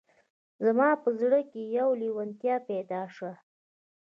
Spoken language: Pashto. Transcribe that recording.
زما په زړه کې یوه لېوالتیا پیدا شوه